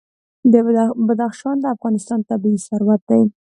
بدخشان د افغانستان طبعي ثروت دی.